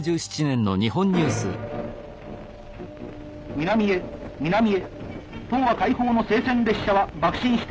南へ南へ東亜解放の聖戦列車はばく進しています。